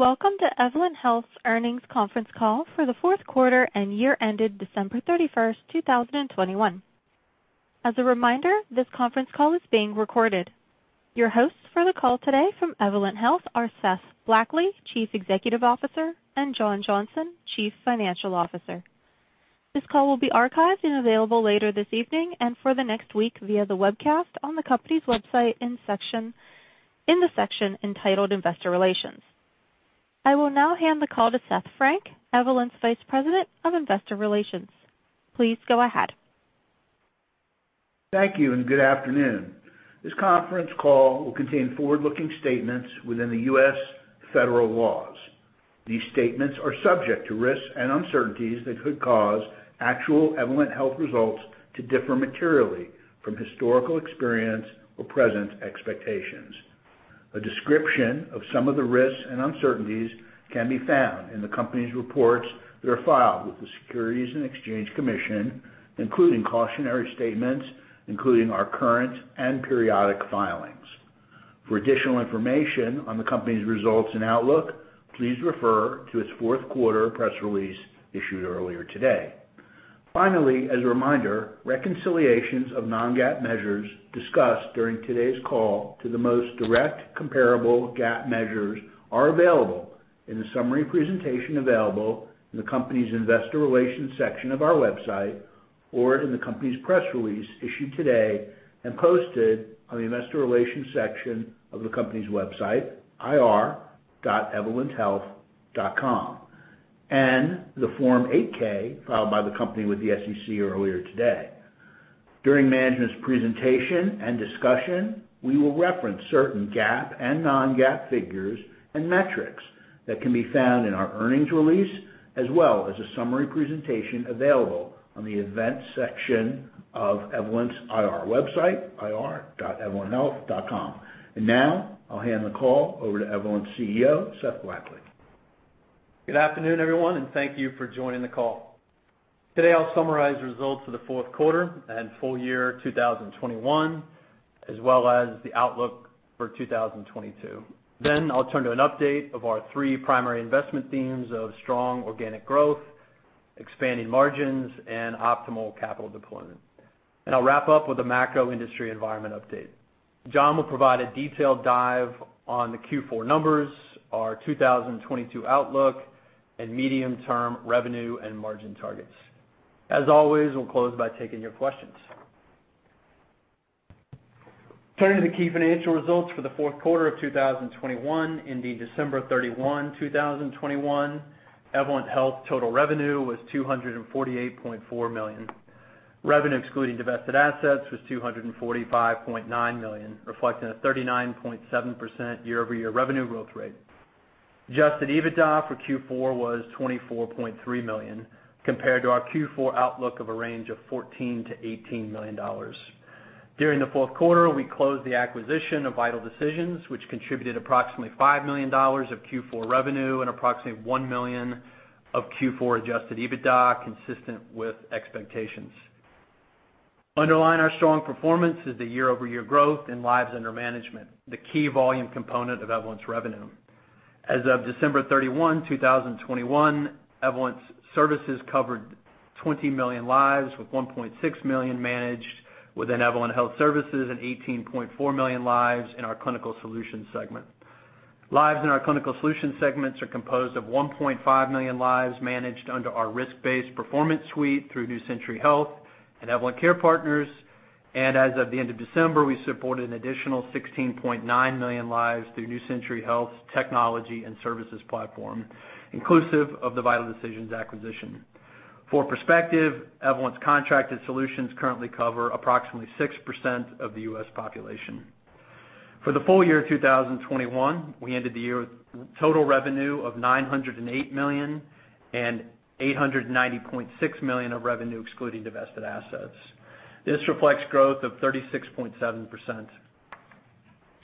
Welcome to Evolent Health's Earnings Conference Call for the Fourth Quarter and Year Ended December 31st, 2021. As a reminder, this conference call is being recorded. Your hosts for the call today from Evolent Health are Seth Blackley, Chief Executive Officer, and John Johnson, Chief Financial Officer. This call will be archived and available later this evening and for the next week via the webcast on the company's website in the section entitled Investor Relations. I will now hand the call to Seth Frank, Evolent's Vice President of Investor Relations. Please go ahead. Thank you, and good afternoon. This conference call will contain forward-looking statements within the U.S. federal laws. These statements are subject to risks and uncertainties that could cause actual Evolent Health results to differ materially from historical experience or present expectations. A description of some of the risks and uncertainties can be found in the company's reports that are filed with the Securities and Exchange Commission, including cautionary statements, including our current and periodic filings. For additional information on the company's results and outlook, please refer to its fourth quarter press release issued earlier today. Finally, as a reminder, reconciliations of non-GAAP measures discussed during today's call to the most direct comparable GAAP measures are available in the summary presentation available in the company's Investor Relations section of our website or in the company's press release issued today and posted on the Investor Relations section of the company's website, ir.evolenthealth.com, and the Form 8-K filed by the company with the SEC earlier today. During management's presentation and discussion, we will reference certain GAAP and non-GAAP figures and metrics that can be found in our earnings release, as well as a summary presentation available on the Events section of Evolent's IR website, ir.evolenthealth.com. Now, I'll hand the call over to Evolent's CEO, Seth Blackley. Good afternoon, everyone, and thank you for joining the call. Today, I'll summarize results for the fourth quarter and full year 2021, as well as the outlook for 2022. I'll turn to an update of our three primary investment themes of strong organic growth, expanding margins, and optimal capital deployment. I'll wrap up with a macro industry environment update. John will provide a detailed dive on the Q4 numbers, our 2022 outlook, and medium-term revenue and margin targets. As always, we'll close by taking your questions. Turning to key financial results for the fourth quarter of 2021, ending December 31, 2021, Evolent Health total revenue was $248.4 million. Revenue excluding divested assets was $245.9 million, reflecting a 39.7% year-over-year revenue growth rate. Adjusted EBITDA for Q4 was $24.3 million, compared to our Q4 outlook of a range of $14 million-$18 million. During the fourth quarter, we closed the acquisition of Vital Decisions, which contributed approximately $5 million of Q4 revenue and approximately $1 million of Q4 adjusted EBITDA, consistent with expectations. Underlying our strong performance is the year-over-year growth in lives under management, the key volume component of Evolent's revenue. As of December 31, 2021, Evolent's services covered 20 million lives, with 1.6 million managed within Evolent Health Services and 18.4 million lives in our Clinical Solutions segment. Lives in our Clinical Solutions segments are composed of 1.5 million lives managed under our risk-based Performance Suite through New Century Health and Evolent Care Partners. As of the end of December, we supported an additional 16.9 million lives through New Century Health's Technology and Services Platform, inclusive of the Vital Decisions acquisition. For perspective, Evolent's contracted solutions currently cover approximately 6% of the U.S. population. For the full year 2021, we ended the year with total revenue of $908 million and $889.6 million of revenue excluding divested assets. This reflects growth of 36.7%.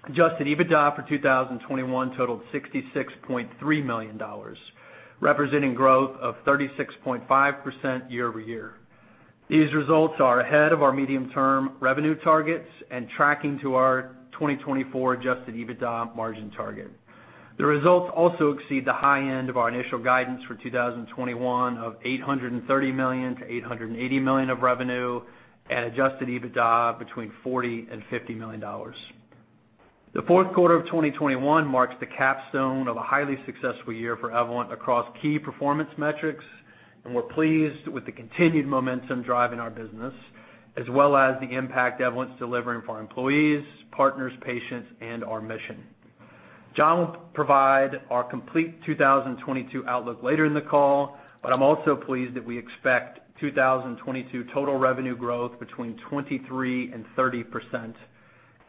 Adjusted EBITDA for 2021 totaled $66.3 million, representing growth of 36.5% year-over-year. These results are ahead of our medium-term revenue targets and tracking to our 2024 adjusted EBITDA margin target. The results also exceed the high end of our initial guidance for 2021 of $830 million-$880 million of revenue and adjusted EBITDA between $40 and $50 million. The fourth quarter of 2021 marks the capstone of a highly successful year for Evolent across key performance metrics, and we're pleased with the continued momentum driving our business as well as the impact Evolent's delivering for our employees, partners, patients, and our mission. John will provide our complete 2022 outlook later in the call, but I'm also pleased that we expect 2022 total revenue growth between 23% and 30%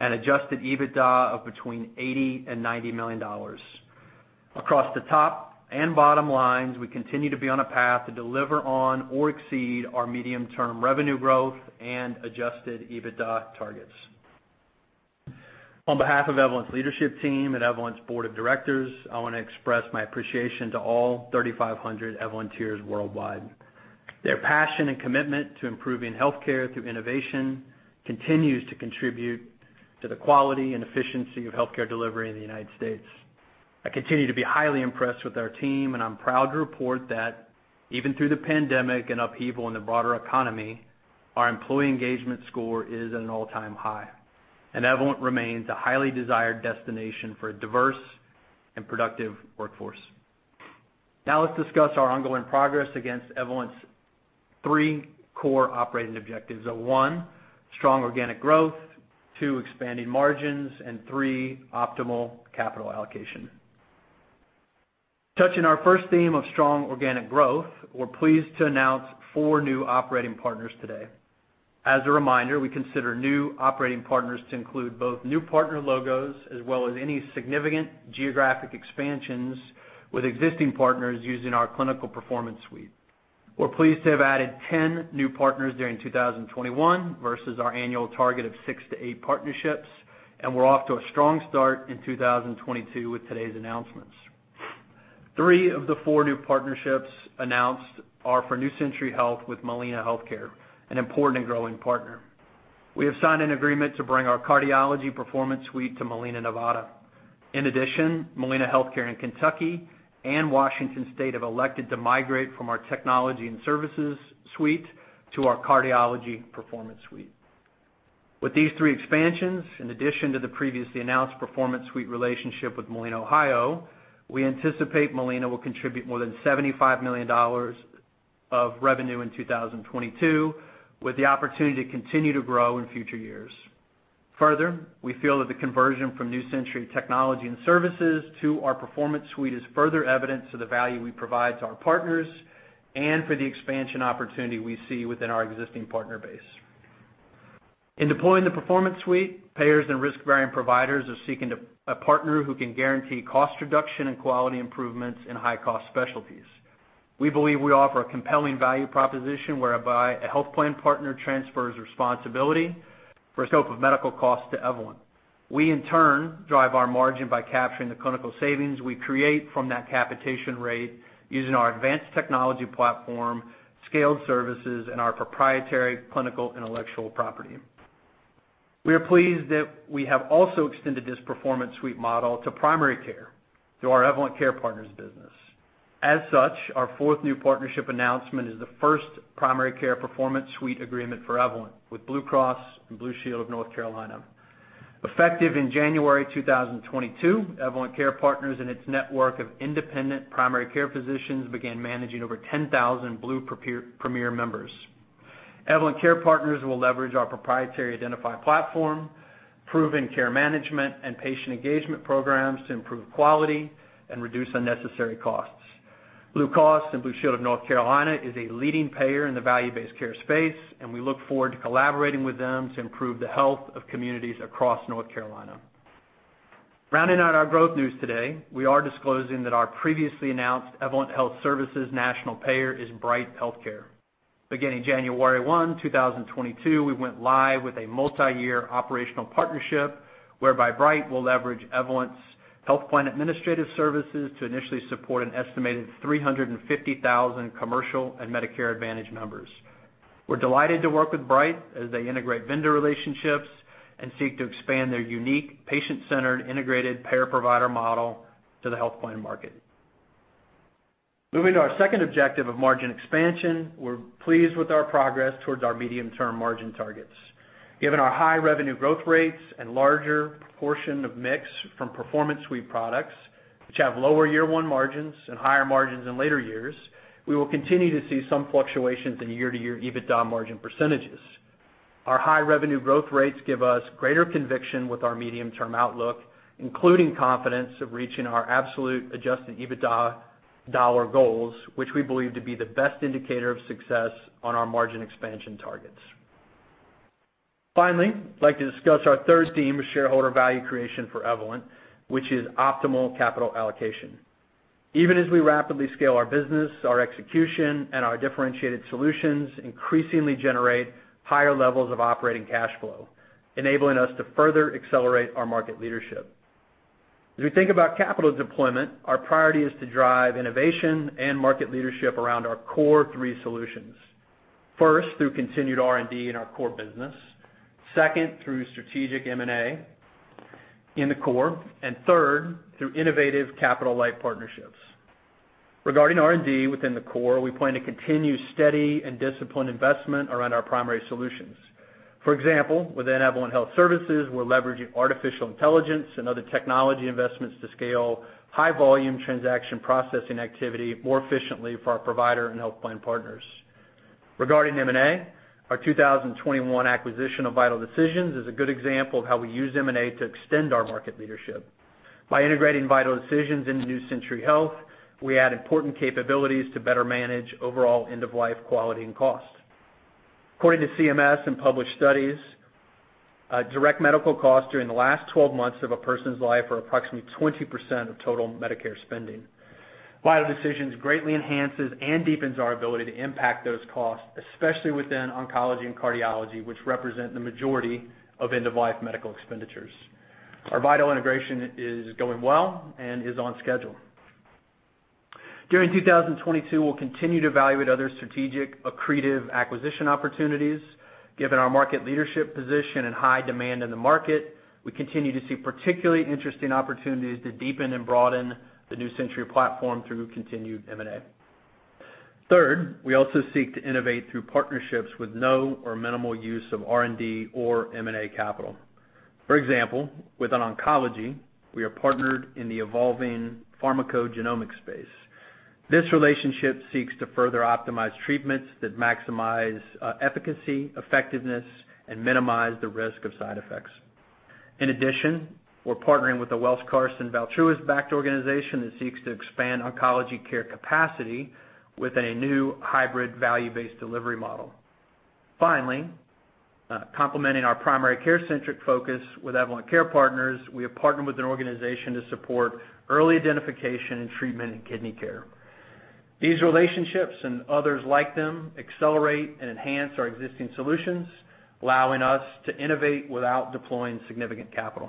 and adjusted EBITDA of between $80 and $90 million. Across the top and bottom lines, we continue to be on a path to deliver on or exceed our medium-term revenue growth and adjusted EBITDA targets. On behalf of Evolent's leadership team and Evolent's board of directors, I wanna express my appreciation to all 3,500 Evolenteers worldwide. Their passion and commitment to improving healthcare through innovation continues to contribute to the quality and efficiency of healthcare delivery in the United States. I continue to be highly impressed with our team, and I'm proud to report that even through the pandemic and upheaval in the broader economy, our employee engagement score is at an all-time high, and Evolent remains a highly desired destination for a diverse and productive workforce. Now let's discuss our ongoing progress against Evolent's three core operating objectives of, one, strong organic growth, two, expanding margins, and three, optimal capital allocation. Touching our first theme of strong organic growth, we're pleased to announce four new operating partners today. As a reminder, we consider new operating partners to include both new partner logos as well as any significant geographic expansions with existing partners using our Clinical Performance Suite. We're pleased to have added 10 new partners during 2021 versus our annual target of six to eight partnerships, and we're off to a strong start in 2022 with today's announcements. Three of the four new partnerships announced are for New Century Health with Molina Healthcare, an important and growing partner. We have signed an agreement to bring our Cardiology Performance Suite to Molina, Nevada. In addition, Molina Healthcare in Kentucky and Washington State have elected to migrate from our Technology and Services Suite to our Cardiology Performance Suite. With these three expansions, in addition to the previously announced Performance Suite relationship with Molina, Ohio, we anticipate Molina will contribute more than $75 million of revenue in 2022, with the opportunity to continue to grow in future years. Further, we feel that the conversion from New Century technology and services to our Performance Suite is further evidence to the value we provide to our partners and for the expansion opportunity we see within our existing partner base. In deploying the Performance Suite, payers and risk-bearing providers are seeking a partner who can guarantee cost reduction and quality improvements in high-cost specialties. We believe we offer a compelling value proposition whereby a health plan partner transfers responsibility for a scope of medical costs to Evolent. We, in turn, drive our margin by capturing the clinical savings we create from that capitation rate using our advanced technology platform, scaled services, and our proprietary clinical intellectual property. We are pleased that we have also extended this Performance Suite model to primary care through our Evolent Care Partners business. As such, our fourth new partnership announcement is the first primary care Performance Suite agreement for Evolent with Blue Cross and Blue Shield of North Carolina. Effective in January 2022, Evolent Care Partners and its network of independent primary care physicians began managing over 10,000 Blue Premier members. Evolent Care Partners will leverage our proprietary Identifi platform, proven care management, and patient engagement programs to improve quality and reduce unnecessary costs. Blue Cross and Blue Shield of North Carolina is a leading payer in the value-based care space, and we look forward to collaborating with them to improve the health of communities across North Carolina. Rounding out our growth news today, we are disclosing that our previously announced Evolent Health Services national payer is Bright Healthcare. Beginning January 1, 2022, we went live with a multiyear operational partnership whereby Bright will leverage Evolent's health plan administrative services to initially support an estimated 350,000 commercial and Medicare Advantage members. We're delighted to work with Bright as they integrate vendor relationships and seek to expand their unique patient-centered integrated payer-provider model to the health plan market. Moving to our second objective of margin expansion, we're pleased with our progress towards our medium-term margin targets. Given our high revenue growth rates and larger proportion of mix from Performance Suite products, which have lower year one margins and higher margins in later years, we will continue to see some fluctuations in year-to-year EBITDA margin percentages. Our high revenue growth rates give us greater conviction with our medium-term outlook, including confidence of reaching our absolute adjusted EBITDA dollar goals, which we believe to be the best indicator of success on our margin expansion targets. Finally, I'd like to discuss our third theme of shareholder value creation for Evolent, which is optimal capital allocation. Even as we rapidly scale our business, our execution and our differentiated solutions increasingly generate higher levels of operating cash flow, enabling us to further accelerate our market leadership. As we think about capital deployment, our priority is to drive innovation and market leadership around our core three solutions. First, through continued R&D in our core business. Second, through strategic M&A in the core, and third, through innovative capital-light partnerships. Regarding R&D within the core, we plan to continue steady and disciplined investment around our primary solutions. For example, within Evolent Health Services, we're leveraging artificial intelligence and other technology investments to scale high-volume transaction processing activity more efficiently for our provider and health plan partners. Regarding M&A, our 2021 acquisition of Vital Decisions is a good example of how we use M&A to extend our market leadership. By integrating Vital Decisions into New Century Health, we add important capabilities to better manage overall end-of-life quality and cost. According to CMS and published studies, direct medical costs during the last 12 months of a person's life are approximately 20% of total Medicare spending. Vital Decisions greatly enhances and deepens our ability to impact those costs, especially within oncology and cardiology, which represent the majority of end-of-life medical expenditures. Our Vital integration is going well and is on schedule. During 2022, we'll continue to evaluate other strategic accretive acquisition opportunities given our market leadership position and high demand in the market. We continue to see particularly interesting opportunities to deepen and broaden the New Century platform through continued M&A. Third, we also seek to innovate through partnerships with no or minimal use of R&D or M&A capital. For example, within oncology, we are partnered in the evolving pharmacogenomics space. This relationship seeks to further optimize treatments that maximize efficacy, effectiveness, and minimize the risk of side effects. In addition, we're partnering with the Welsh, Carson, Valtruis-backed organization that seeks to expand oncology care capacity with a new hybrid value-based delivery model. Finally, complementing our primary care centric focus with Evolent Care Partners, we have partnered with an organization to support early identification and treatment in kidney care. These relationships and others like them accelerate and enhance our existing solutions, allowing us to innovate without deploying significant capital.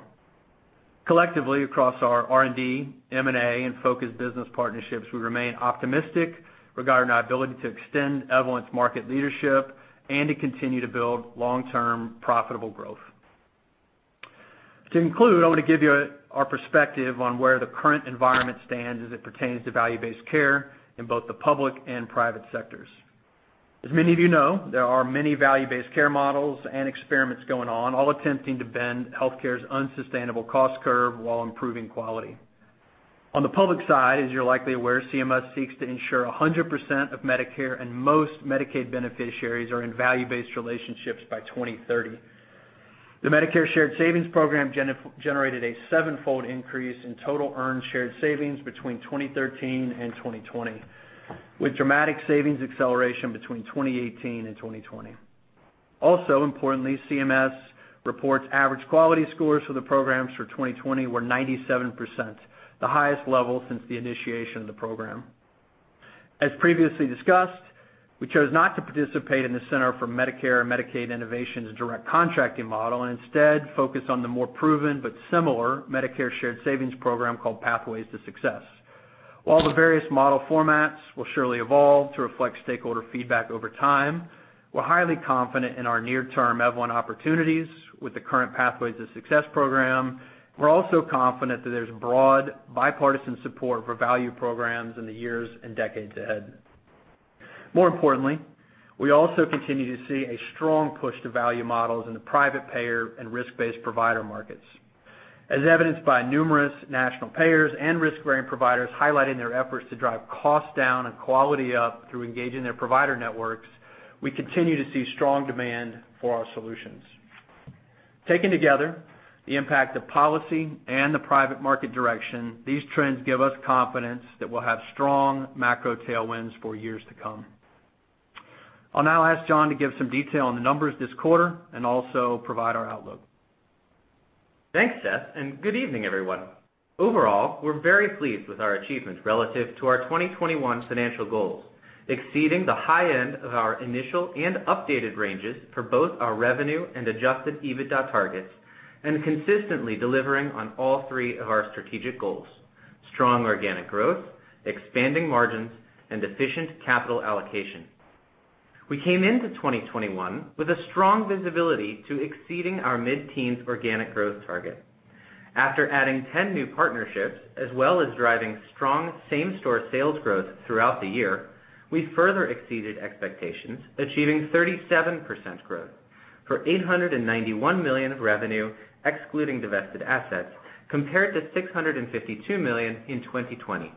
Collectively, across our R&D, M&A, and focused business partnerships, we remain optimistic regarding our ability to extend Evolent's market leadership and to continue to build long-term profitable growth. To conclude, I want to give you our perspective on where the current environment stands as it pertains to value-based care in both the public and private sectors. As many of you know, there are many value-based care models and experiments going on, all attempting to bend healthcare's unsustainable cost curve while improving quality. On the public side, as you're likely aware, CMS seeks to ensure 100% of Medicare and most Medicaid beneficiaries are in value-based relationships by 2030. The Medicare Shared Savings Program generated a seven-fold increase in total earned shared savings between 2013 and 2020, with dramatic savings acceleration between 2018 and 2020. Also importantly, CMS reports average quality scores for the programs for 2020 were 97%, the highest level since the initiation of the program. As previously discussed, we chose not to participate in the Center for Medicare & Medicaid Innovation's Direct Contracting model and instead focus on the more proven but similar Medicare Shared Savings Program called Pathways to Success. While the various model formats will surely evolve to reflect stakeholder feedback over time, we're highly confident in our near-term Evolent opportunities with the current Pathways to Success program. We're also confident that there's broad bipartisan support for value programs in the years and decades ahead. More importantly, we also continue to see a strong push to value models in the private payer and risk-based provider markets. As evidenced by numerous national payers and risk-bearing providers highlighting their efforts to drive cost down and quality up through engaging their provider networks, we continue to see strong demand for our solutions. Taken together, the impact of policy and the private market direction, these trends give us confidence that we'll have strong macro tailwinds for years to come. I'll now ask John to give some detail on the numbers this quarter and also provide our outlook. Thanks, Seth, and good evening, everyone. Overall, we're very pleased with our achievements relative to our 2021 financial goals, exceeding the high end of our initial and updated ranges for both our revenue and adjusted EBITDA targets and consistently delivering on all three of our strategic goals, strong organic growth, expanding margins, and efficient capital allocation. We came into 2021 with a strong visibility to exceeding our mid-teens organic growth target. After adding 10 new partnerships, as well as driving strong same-store sales growth throughout the year, we further exceeded expectations, achieving 37% growth for $891 million of revenue, excluding divested assets, compared to $652 million in 2020.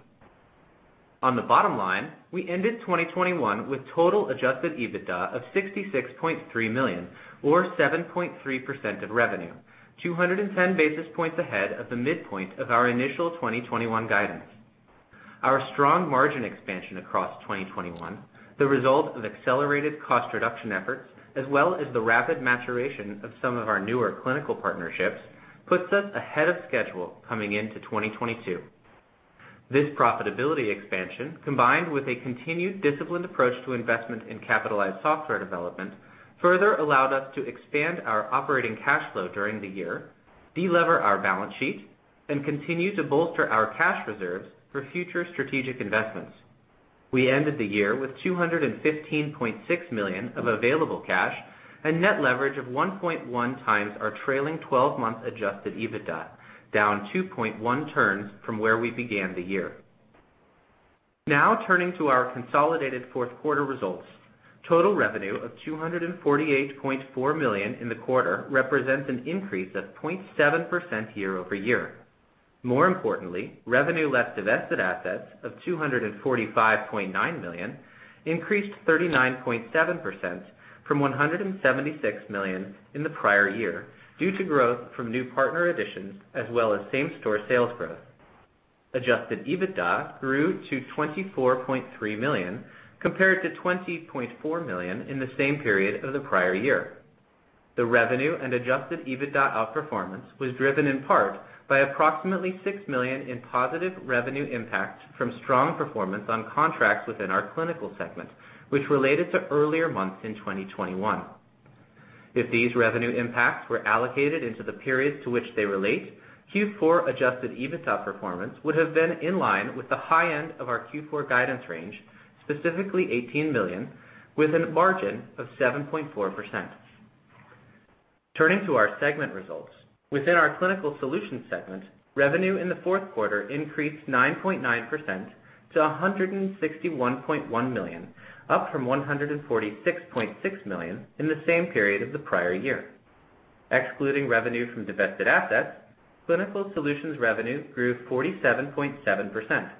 On the bottom line, we ended 2021 with total adjusted EBITDA of $66.3 million or 7.3% of revenue, 210 basis points ahead of the midpoint of our initial 2021 guidance. Our strong margin expansion across 2021, the result of accelerated cost reduction efforts, as well as the rapid maturation of some of our newer clinical partnerships, puts us ahead of schedule coming into 2022. This profitability expansion, combined with a continued disciplined approach to investment in capitalized software development, further allowed us to expand our operating cash flow during the year, delever our balance sheet, and continue to bolster our cash reserves for future strategic investments. We ended the year with $215.6 million of available cash and net leverage of 1.1x our trailing twelve-month adjusted EBITDA, down 2.1 turns from where we began the year. Now turning to our consolidated fourth quarter results. Total revenue of $248.4 million in the quarter represents an increase of 0.7% year-over-year. More importantly, revenue less divested assets of $245.9 million increased 39.7% from $176 million in the prior year due to growth from new partner additions as well as same-store sales growth. Adjusted EBITDA grew to $24.3 million compared to $20.4 million in the same period of the prior year. The revenue and adjusted EBITDA outperformance was driven in part by approximately $6 million in positive revenue impact from strong performance on contracts within our Clinical Solutions segment, which related to earlier months in 2021. If these revenue impacts were allocated into the periods to which they relate, Q4 adjusted EBITDA performance would have been in line with the high end of our Q4 guidance range, specifically $18 million, with a margin of 7.4%. Turning to our segment results. Within our Clinical Solutions segment, revenue in the fourth quarter increased 9.9% to $161.1 million, up from $146.6 million in the same period of the prior year. Excluding revenue from divested assets, Clinical Solutions revenue grew 47.7%.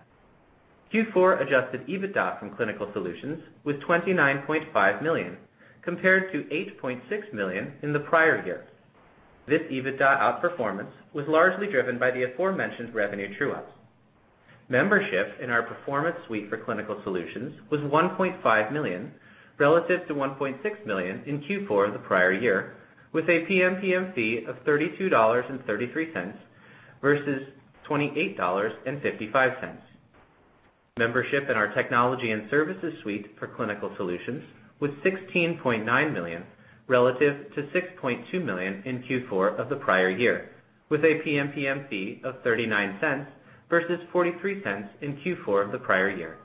Q4 adjusted EBITDA from Clinical Solutions was $29.5 million, compared to $8.6 million in the prior year. This EBITDA outperformance was largely driven by the aforementioned revenue true-ups. Membership in our Performance Suite for Clinical Solutions was 1.5 million, relative to 1.6 million in Q4 of the prior year, with a PMPM fee of $32.33 versus $28.55. Membership in our Technology and Services Suite for Clinical Solutions was 16.9 million, relative to 6.2 million in Q4 of the prior year, with a PMPM fee of $0.39 versus $0.43 in Q4 of the prior year.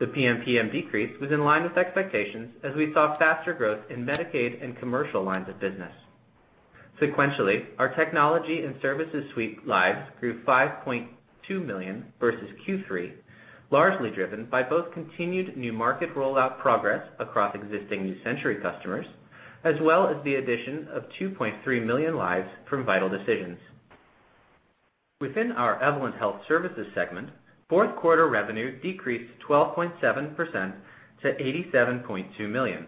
The PMPM decrease was in line with expectations as we saw faster growth in Medicaid and commercial lines of business. Sequentially, our Technology and Services Suite lives grew 5.2 million versus Q3, largely driven by both continued new market rollout progress across existing New Century Health customers, as well as the addition of 2.3 million lives from Vital Decisions. Within our Evolent Health Services segment, fourth quarter revenue decreased 12.7% to $87.2 million.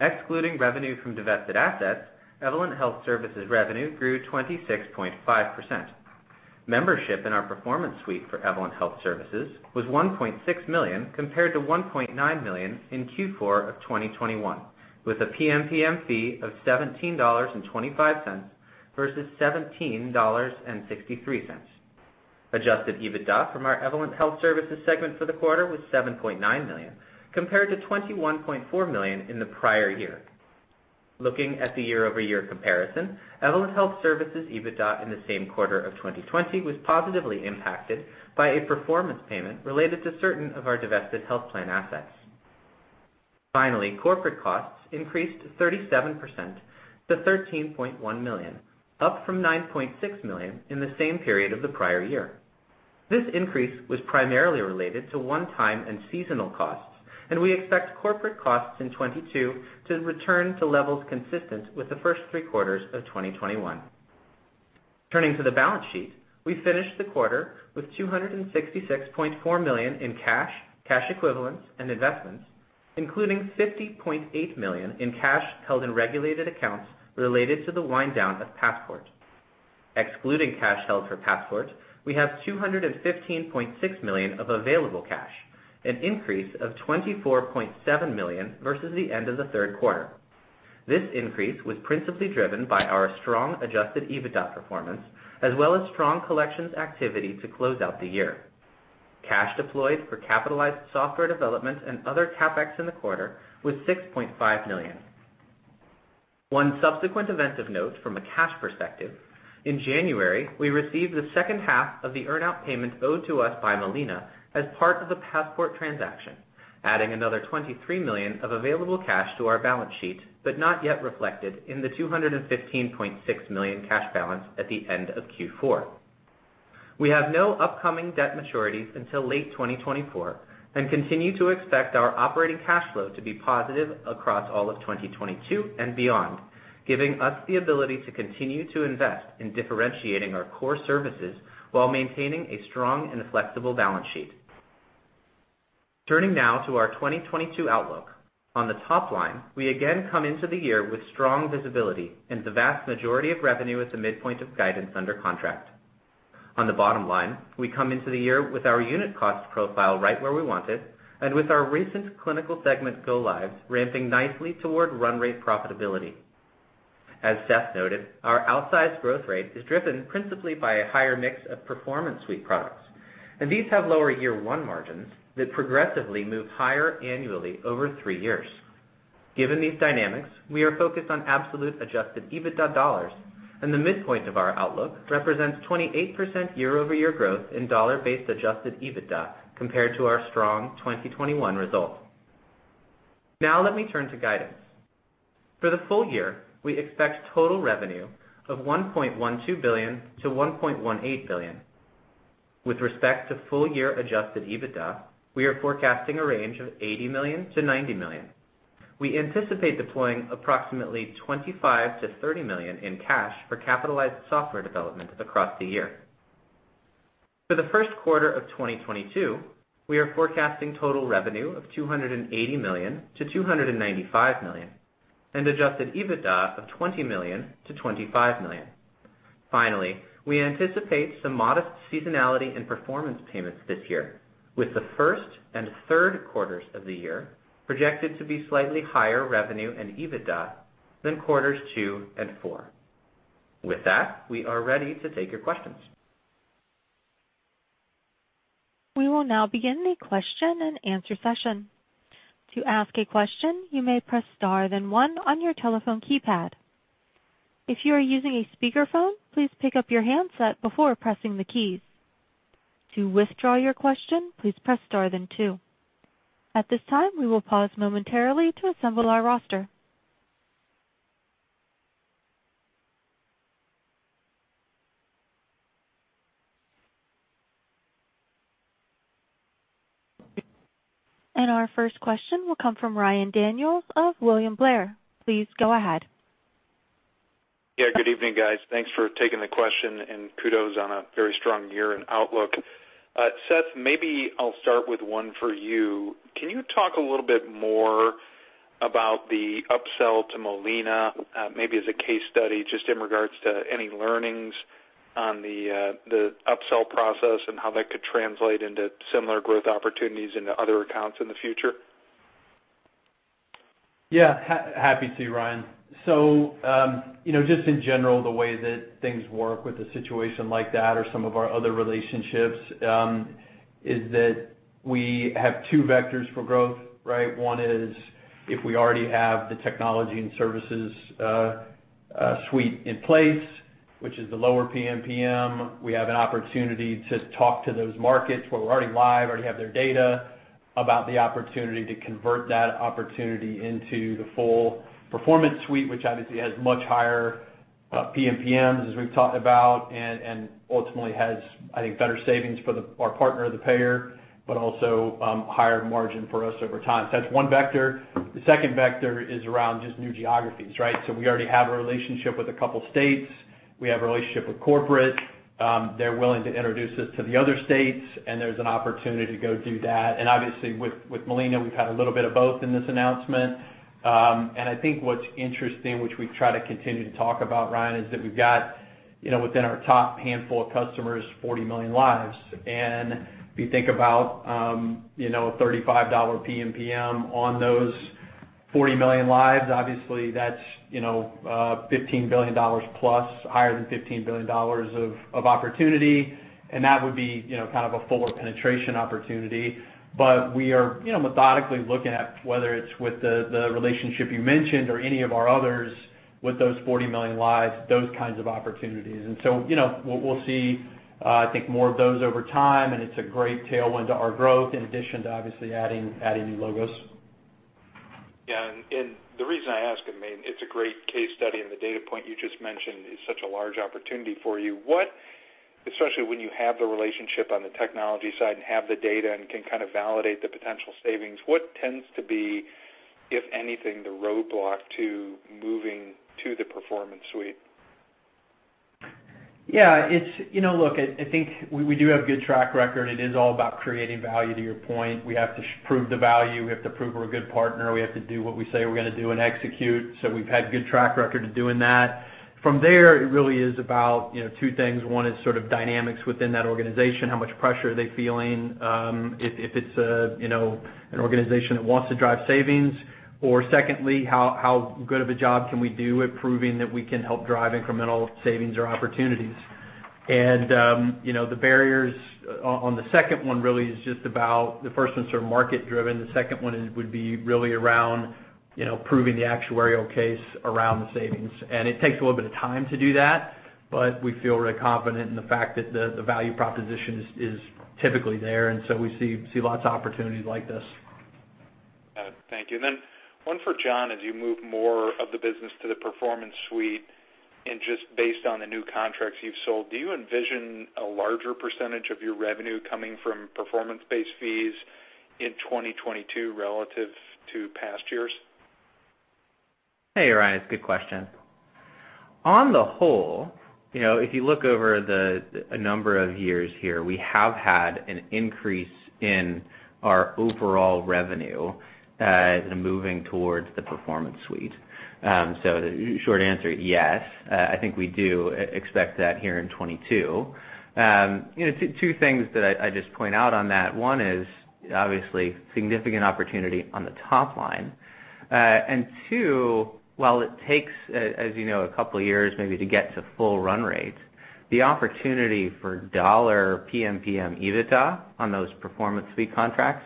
Excluding revenue from divested assets, Evolent Health Services revenue grew 26.5%. Membership in our Performance Suite for Evolent Health Services was 1.6 million compared to 1.9 million in Q4 of 2021, with a PMPM fee of $17.25 versus $17.63. Adjusted EBITDA from our Evolent Health Services segment for the quarter was $7.9 million, compared to $21.4 million in the prior year. Looking at the year-over-year comparison, Evolent Health Services EBITDA in the same quarter of 2020 was positively impacted by a performance payment related to certain of our divested health plan assets. Finally, corporate costs increased 37% to $13.1 million, up from $9.6 million in the same period of the prior year. This increase was primarily related to one-time and seasonal costs, and we expect corporate costs in 2022 to return to levels consistent with the first three quarters of 2021. Turning to the balance sheet. We finished the quarter with $266.4 million in cash equivalents, and investments, including $50.8 million in cash held in regulated accounts related to the wind down of Passport. Excluding cash held for Passport, we have $215.6 million of available cash, an increase of $24.7 million versus the end of the third quarter. This increase was principally driven by our strong adjusted EBITDA performance, as well as strong collections activity to close out the year. Cash deployed for capitalized software development and other CapEx in the quarter was $6.5 million. One subsequent event of note from a cash perspective, in January, we received the second half of the earn-out payment owed to us by Molina as part of the Passport transaction, adding another $23 million of available cash to our balance sheet, but not yet reflected in the $215.6 million cash balance at the end of Q4. We have no upcoming debt maturities until late 2024 and continue to expect our operating cash flow to be positive across all of 2022 and beyond, giving us the ability to continue to invest in differentiating our core services while maintaining a strong and flexible balance sheet. Turning now to our 2022 outlook. On the top line, we again come into the year with strong visibility, and the vast majority of revenue is the midpoint of guidance under contract. On the bottom line, we come into the year with our unit cost profile right where we want it, and with our recent clinical segment go lives ramping nicely toward run rate profitability. As Seth noted, our outsized growth rate is driven principally by a higher mix of Performance Suite products, and these have lower year one margins that progressively move higher annually over three years. Given these dynamics, we are focused on absolute adjusted EBITDA dollars, and the midpoint of our outlook represents 28% year-over-year growth in dollar-based adjusted EBITDA compared to our strong 2021 result. Now let me turn to guidance. For the full year, we expect total revenue of $1.12 billion-$1.18 billion. With respect to full year adjusted EBITDA, we are forecasting a range of $80 million-$90 million. We anticipate deploying approximately $25-$30 million in cash for capitalized software development across the year. For the first quarter of 2022, we are forecasting total revenue of $280 million-$295 million, and adjusted EBITDA of $20 million-$25 million. Finally, we anticipate some modest seasonality and performance payments this year, with the first and third quarters of the year projected to be slightly higher revenue and EBITDA than quarters two and four. With that, we are ready to take your questions. We will now begin the question-and-answer session. To ask a question, you may press star, then one on your telephone keypad. If you are using a speakerphone, please pick up your handset before pressing the keys. To withdraw your question, please press star, then two. At this time, we will pause momentarily to assemble our roster. Our first question will come from Ryan Daniels of William Blair. Please go ahead. Yeah, good evening, guys. Thanks for taking the question, and kudos on a very strong year and outlook. Seth, maybe I'll start with one for you. Can you talk a little bit more about the upsell to Molina, maybe as a case study, just in regards to any learnings on the upsell process and how that could translate into similar growth opportunities into other accounts in the future? Happy to, Ryan. You know, just in general, the way that things work with a situation like that or some of our other relationships is that we have two vectors for growth, right? One is if we already have the technology and services suite in place, which is the lower PMPM, we have an opportunity to talk to those markets where we're already live, already have their data about the opportunity to convert that opportunity into the full Performance Suite, which obviously has much higher PMPMs, as we've talked about, and ultimately has, I think, better savings for our partner or the payer, but also higher margin for us over time. That's one vector. The second vector is around just new geographies, right? We already have a relationship with a couple states. We have a relationship with corporate. They're willing to introduce us to the other states, and there's an opportunity to go do that. Obviously, with Molina, we've had a little bit of both in this announcement. I think what's interesting, which we try to continue to talk about, Ryan, is that we've got, you know, within our top handful of customers, 40 million lives. If you think about, you know, a $35 PMPM on those 40 million lives, obviously that's, you know, $15 billion plus, higher than $15 billion of opportunity, and that would be, you know, kind of a fuller penetration opportunity. We are, you know, methodically looking at whether it's with the relationship you mentioned or any of our others with those 40 million lives, those kinds of opportunities. You know, we'll see more of those over time, and it's a great tailwind to our growth, in addition to obviously adding new logos. Yeah. The reason I ask, I mean, it's a great case study, and the data point you just mentioned is such a large opportunity for you. Especially when you have the relationship on the technology side and have the data and can kind of validate the potential savings, what tends to be, if anything, the roadblock to moving to the Performance Suite? Yeah. It's, you know, look, I think we do have good track record. It is all about creating value, to your point. We have to prove the value. We have to prove we're a good partner. We have to do what we say we're gonna do and execute. We've had good track record of doing that. From there, it really is about, you know, two things. One is sort of dynamics within that organization. How much pressure are they feeling? If it's a, you know, an organization that wants to drive savings or secondly, how good of a job can we do at proving that we can help drive incremental savings or opportunities. You know, the barriers on the second one really is just about the first one's sort of market driven. The second one would be really around, you know, proving the actuarial case around the savings. It takes a little bit of time to do that, but we feel really confident in the fact that the value proposition is typically there. We see lots of opportunities like this. Got it. Thank you. Then one for John. As you move more of the business to the Performance Suite, and just based on the new contracts you've sold, do you envision a larger percentage of your revenue coming from performance-based fees in 2022 relative to past years? Hey, Ryan. It's a good question. On the whole, you know, if you look over a number of years here, we have had an increase in our overall revenue moving towards the Performance Suite. So the short answer, yes. I think we do expect that here in 2022. You know, two things that I just point out on that, one is obviously significant opportunity on the top line. And two, while it takes as you know, a couple of years maybe to get to full run rate, the opportunity for dollar PMPM EBITDA on those Performance Suite contracts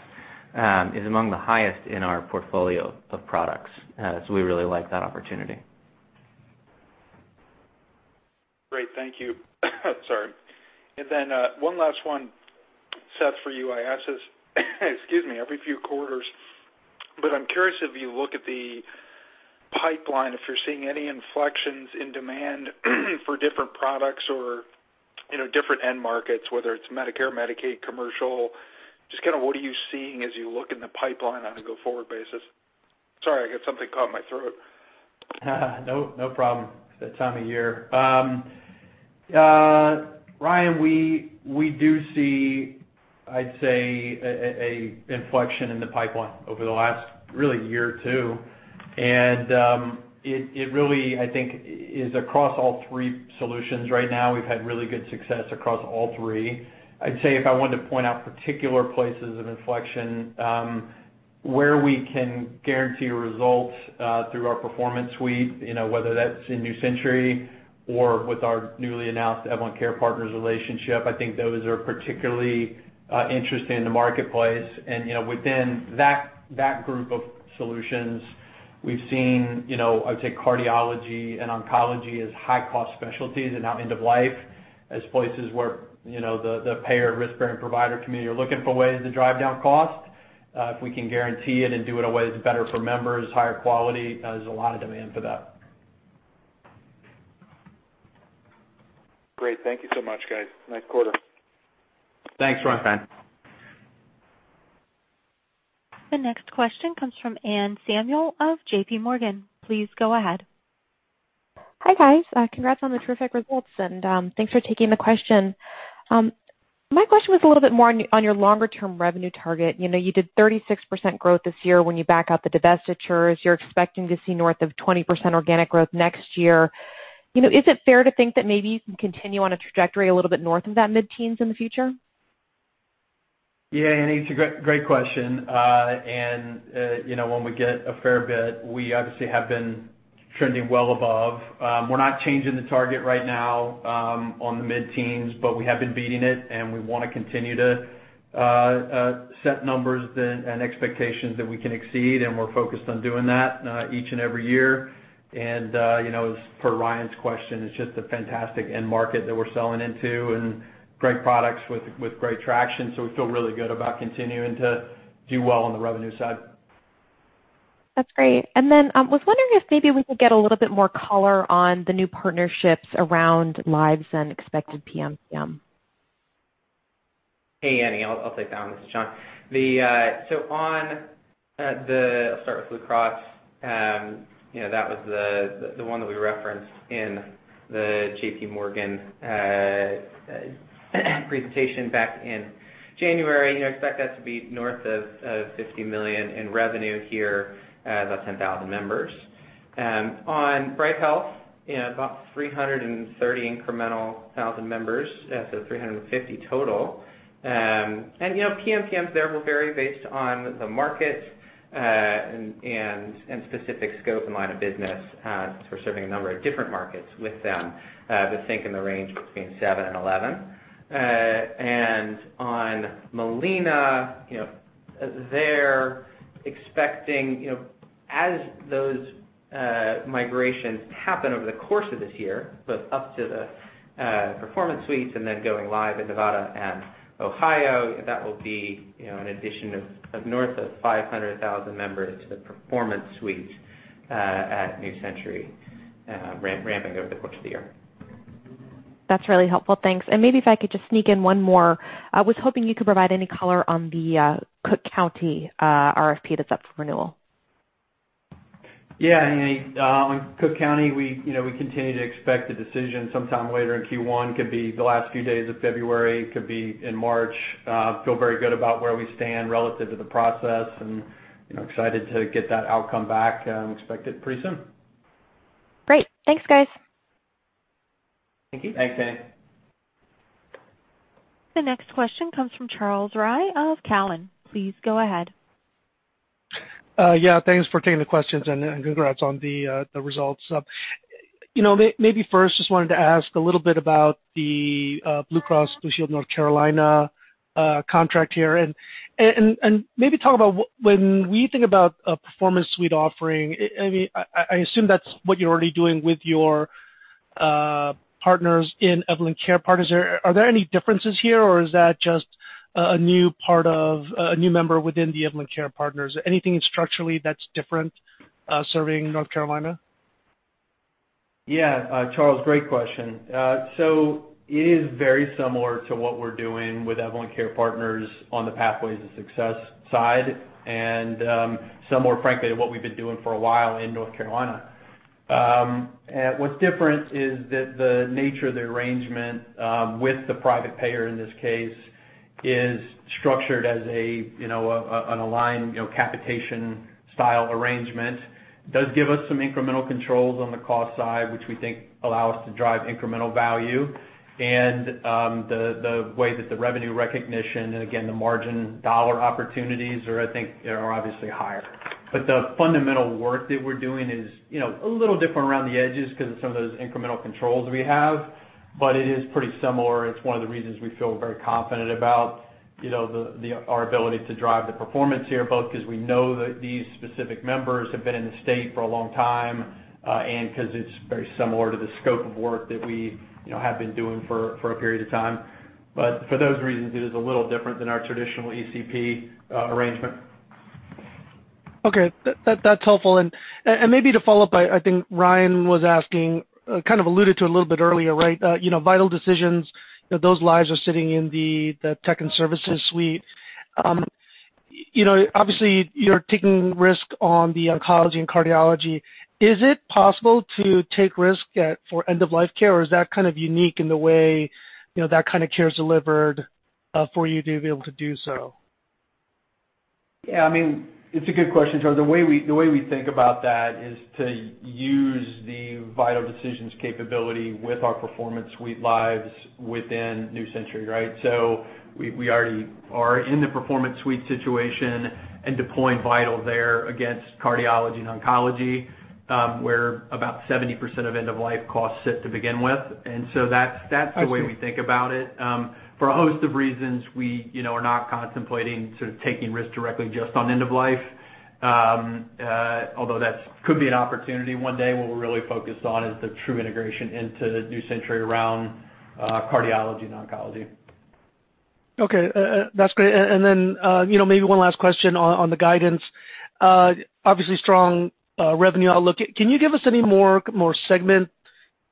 is among the highest in our portfolio of products. So we really like that opportunity. Great. Thank you. Sorry. One last one, Seth, for you. I ask this, excuse me, every few quarters, but I'm curious if you look at the pipeline, if you're seeing any inflections in demand for different products or, you know, different end markets, whether it's Medicare, Medicaid, commercial, just kinda what are you seeing as you look in the pipeline on a go-forward basis? Sorry, I got something caught in my throat. No, no problem. It's that time of year. Ryan, we do see, I'd say, a inflection in the pipeline over the last real year or two. It really, I think, is across all three solutions right now. We've had really good success across all three. I'd say if I wanted to point out particular places of inflection, where we can guarantee results through our Performance Suite, you know, whether that's in New Century or with our newly announced Evolent Care Partners relationship, I think those are particularly interesting in the marketplace. You know, within that group of solutions, we've seen, you know, I would say cardiology and oncology as high cost specialties and now end of life as places where, you know, the payer risk-bearing provider community are looking for ways to drive down cost. If we can guarantee it and do it in ways better for members, higher quality, there's a lot of demand for that. Great. Thank you so much, guys. Nice quarter. Thanks, Ryan. The next question comes from Anne Samuel of JPMorgan. Please go ahead. Hi, guys. Congrats on the terrific results, and thanks for taking the question. My question was a little bit more on your longer-term revenue target. You know, you did 36% growth this year when you back out the divestitures. You're expecting to see north of 20% organic growth next year. You know, is it fair to think that maybe you can continue on a trajectory a little bit north of that mid-teens% in the future? Yeah, Annie, it's a great question. You know, when we get a fair bit, we obviously have been trending well above. We're not changing the target right now on the mid-teens, but we have been beating it, and we wanna continue to set numbers then and expectations that we can exceed, and we're focused on doing that each and every year. You know, as per Ryan's question, it's just a fantastic end market that we're selling into and great products with great traction. We feel really good about continuing to do well on the revenue side. That's great. I was wondering if maybe we could get a little bit more color on the new partnerships around lives and expected PMPM? Hey, Annie. I'll take that one. This is John. I'll start with Blue Cross. You know, that was the one that we referenced in the JP Morgan presentation back in January. You know, expect that to be north of $50 million in revenue here, about 10,000 members. On Bright Health, you know, about 330,000 incremental members, so 350,000 total. You know, PMPMs there will vary based on the market, and specific scope and line of business, because we're serving a number of different markets with them, but think in the range between seven and 11. On Molina, you know, they're expecting, you know, as those migrations happen over the course of this year, both up to the Performance Suite and then going live in Nevada and Ohio, that will be, you know, an addition of north of 500,000 members to the Performance Suite at New Century Health, ramping over the course of the year. That's really helpful. Thanks. Maybe if I could just sneak in one more. I was hoping you could provide any color on the Cook County RFP that's up for renewal. Yeah, Annie. Cook County. We, you know, continue to expect a decision sometime later in Q1, could be the last few days of February, could be in March. We feel very good about where we stand relative to the process and, you know, excited to get that outcome back, expect it pretty soon. Great. Thanks, guys. Thank you. Thanks, Anne. The next question comes from Charles Rhyee of Cowen. Please go ahead. Yeah, thanks for taking the questions and congrats on the results. You know, maybe first, just wanted to ask a little bit about the Blue Cross and Blue Shield of North Carolina contract here. Maybe talk about when we think about a Performance Suite offering. I mean, I assume that's what you're already doing with your partners in Evolent Care Partners. Are there any differences here, or is that just a new member within the Evolent Care Partners? Anything structurally that's different serving North Carolina? Yeah. Charles, great question. So it is very similar to what we're doing with Evolent Care Partners on the Pathways to Success side and similar, frankly, to what we've been doing for a while in North Carolina. What's different is that the nature of the arrangement with the private payer in this case is structured as an aligned, you know, capitation style arrangement. It does give us some incremental controls on the cost side, which we think allow us to drive incremental value. The way that the revenue recognition and again, the margin dollar opportunities are, I think, obviously higher. But the fundamental work that we're doing is, you know, a little different around the edges because of some of those incremental controls we have, but it is pretty similar. It's one of the reasons we feel very confident about, you know, our ability to drive the performance here, both because we know that these specific members have been in the state for a long time, and 'cause it's very similar to the scope of work that we, you know, have been doing for a period of time. For those reasons, it is a little different than our traditional ECP arrangement. Okay. That's helpful. Maybe to follow up, I think Ryan was asking, kind of alluded to a little bit earlier, right? You know, Vital Decisions, you know, those lives are sitting in the tech and services suite. You know, obviously you're taking risk on the oncology and cardiology. Is it possible to take risk for end-of-life care, or is that kind of unique in the way, you know, that kind of care is delivered, for you to be able to do so? Yeah, I mean, it's a good question, Charles. The way we think about that is to use the Vital Decisions capability with our Performance Suite lives within New Century Health, right? We already are in the Performance Suite situation and deploying Vital there against cardiology and oncology, where about 70% of end-of-life costs sit to begin with. That's the way we think about it. For a host of reasons, we, you know, are not contemplating sort of taking risks directly just on end of life. Although that could be an opportunity one day, what we're really focused on is the true integration into New Century Health around cardiology and oncology. Okay. That's great. You know, maybe one last question on the guidance. Obviously strong revenue outlook. Can you give us any more segment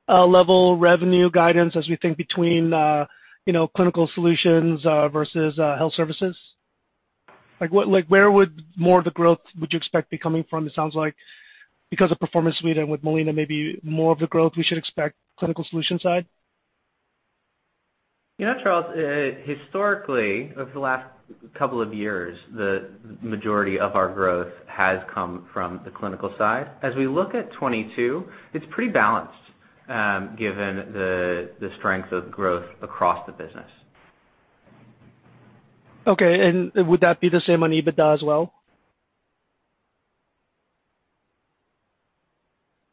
level revenue guidance as we think between you know, Clinical Solutions versus Health Services? Like, where would more of the growth would you expect be coming from? It sounds like because of Performance Suite and with Molina, maybe more of the growth we should expect Clinical Solutions side. You know, Charles, historically, over the last couple of years, the majority of our growth has come from the clinical side. As we look at 2022, it's pretty balanced, given the strength of growth across the business. Okay. Would that be the same on EBITDA as well?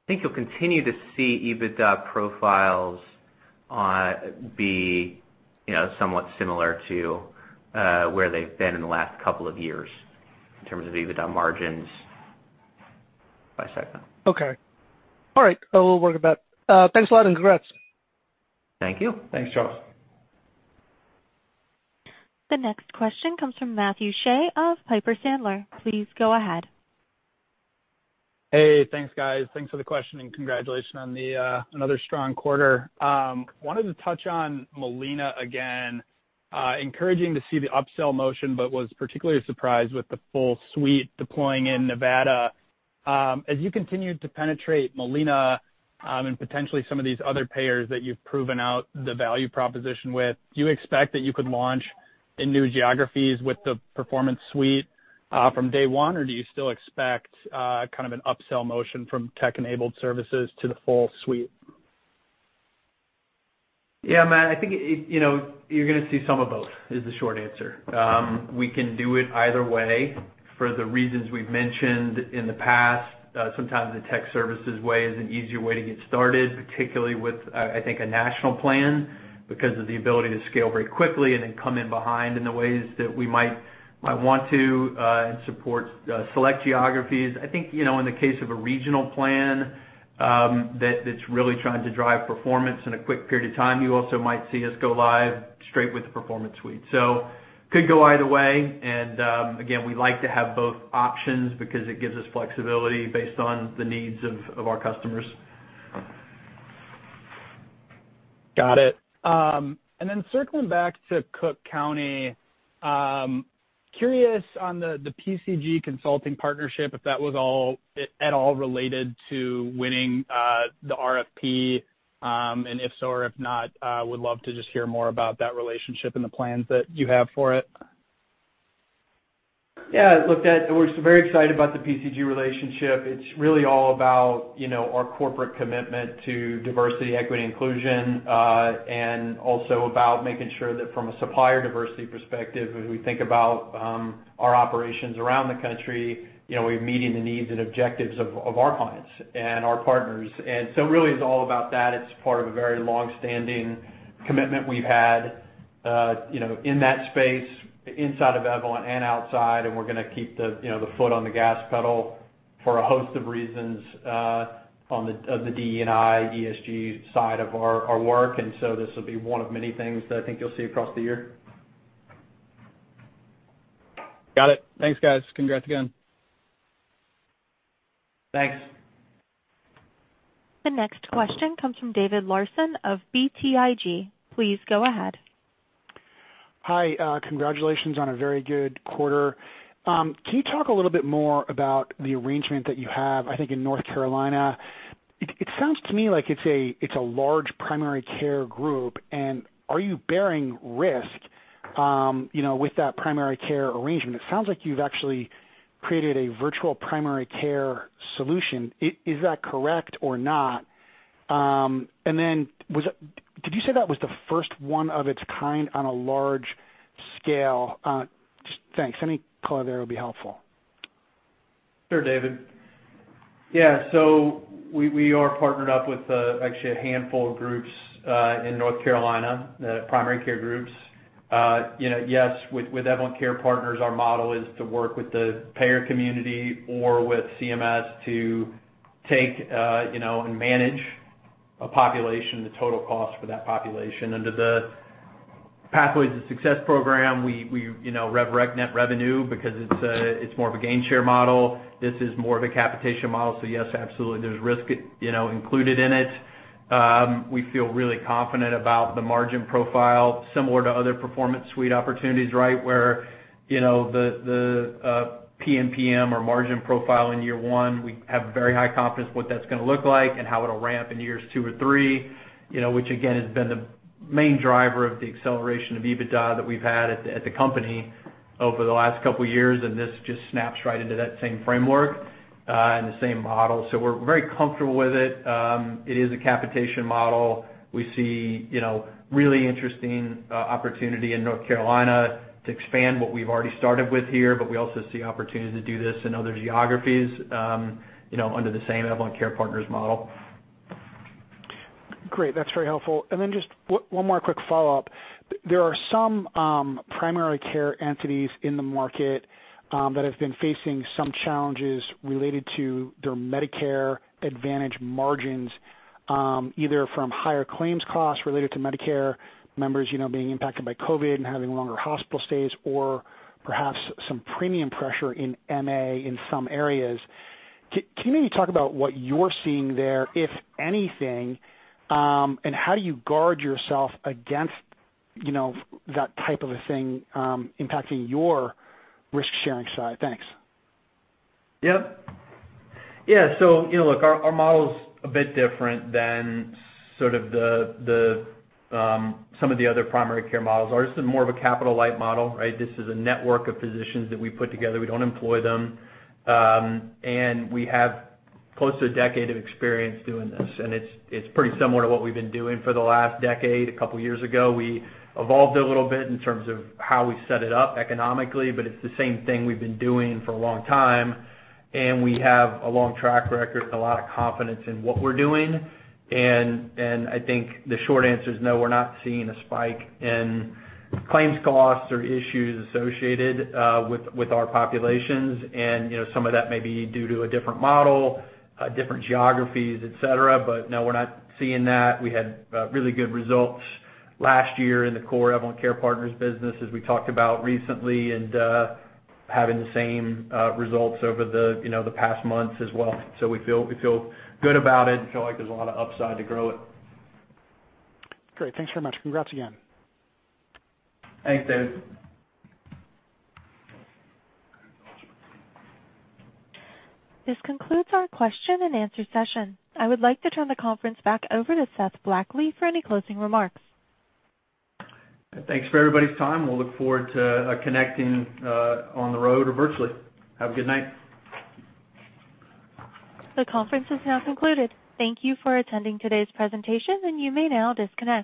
I think you'll continue to see EBITDA profiles, you know, somewhat similar to where they've been in the last couple of years in terms of EBITDA margins by a second. Okay. All right. I will worry about. Thanks a lot and congrats. Thank you. Thanks, Charles. The next question comes from Matthew Shea of Piper Sandler. Please go ahead. Hey, thanks, guys. Thanks for the question, and congratulations on the another strong quarter. Wanted to touch on Molina again. Encouraging to see the upsell motion, but was particularly surprised with the full suite deploying in Nevada. As you continue to penetrate Molina, and potentially some of these other payers that you've proven out the value proposition with, do you expect that you could launch in new geographies with the Performance Suite from day one? Or do you still expect kind of an upsell motion from tech-enabled services to the full suite? Yeah, Matt, I think, you know, you're gonna see some of both is the short answer. We can do it either way for the reasons we've mentioned in the past. Sometimes the tech services way is an easier way to get started, particularly with, I think, a national plan because of the ability to scale very quickly and then come in behind in the ways that we might want to and support select geographies. I think, you know, in the case of a regional plan, that's really trying to drive performance in a quick period of time, you also might see us go live straight with the Performance Suite. Could go either way, and again, we like to have both options because it gives us flexibility based on the needs of our customers. Got it. Circling back to Cook County, curious on the PCG Consulting partnership, if that was at all related to winning the RFP, and if so or if not, would love to just hear more about that relationship and the plans that you have for it. Yeah. Look, Matt, we're very excited about the PCG relationship. It's really all about, you know, our corporate commitment to diversity, equity, inclusion, and also about making sure that from a supplier diversity perspective, as we think about our operations around the country, you know, we're meeting the needs and objectives of our clients and our partners. Really it's all about that. It's part of a very long-standing commitment we've had, you know, in that space inside of Evolent and outside, and we're gonna keep the foot on the gas pedal for a host of reasons on the DE&I, ESG side of our work. This will be one of many things that I think you'll see across the year. Got it. Thanks, guys. Congrats again. Thanks. The next question comes from David Larsen of BTIG. Please go ahead. Hi. Congratulations on a very good quarter. Can you talk a little bit more about the arrangement that you have, I think, in North Carolina? It sounds to me like it's a large primary care group, and are you bearing risk, you know, with that primary care arrangement? It sounds like you've actually created a virtual primary care solution. Is that correct or not? Did you say that was the first one of its kind on a large scale? Thanks. Any color there will be helpful. Sure, David. Yeah. We are partnered up with, actually a handful of groups, in North Carolina, the primary care groups. You know, yes, with Evolent Care Partners, our model is to work with the payer community or with CMS to take, you know, and manage a population, the total cost for that population. Under the Pathways to Success program, we, you know, recognize net revenue because it's more of a gain share model. This is more of a capitation model. Yes, absolutely. There's risk, you know, included in it. We feel really confident about the margin profile similar to other Performance Suite opportunities, right? With, you know, the PMPM or margin profile in year one, we have very high confidence what that's gonna look like and how it'll ramp in years two or three, you know, which again has been the main driver of the acceleration of EBITDA that we've had at the company over the last couple years, and this just snaps right into that same framework and the same model. We're very comfortable with it. It is a capitation model. We see, you know, really interesting opportunity in North Carolina to expand what we've already started with here, but we also see opportunity to do this in other geographies, you know, under the same Evolent Care Partners model. Great. That's very helpful. Then just one more quick follow-up. There are some primary care entities in the market that have been facing some challenges related to their Medicare Advantage margins, either from higher claims costs related to Medicare members, you know, being impacted by COVID and having longer hospital stays or perhaps some premium pressure in MA in some areas. Can you maybe talk about what you're seeing there, if anything, and how do you guard yourself against, you know, that type of a thing impacting your risk-sharing side? Thanks. Yep. Yeah. You know, look, our model's a bit different than sort of some of the other primary care models. Ours is more of a capital-light model, right? This is a network of physicians that we put together. We don't employ them. We have close to a decade of experience doing this, and it's pretty similar to what we've been doing for the last decade. A couple years ago, we evolved a little bit in terms of how we set it up economically, but it's the same thing we've been doing for a long time. We have a long track record and a lot of confidence in what we're doing. I think the short answer is no. We're not seeing a spike in claims costs or issues associated with our populations. You know, some of that may be due to a different model, different geographies, et cetera, but no, we're not seeing that. We had really good results last year in the core Evolent Care Partners business, as we talked about recently, and having the same results over the, you know, the past months as well. We feel good about it and feel like there's a lot of upside to grow it. Great. Thanks so much. Congrats again. Thanks, David. This concludes our question-and-answer session. I would like to turn the conference back over to Seth Blackley for any closing remarks. Thanks for everybody's time. We'll look forward to connecting on the road or virtually. Have a good night. The conference is now concluded. Thank you for attending today's presentation, and you may now disconnect.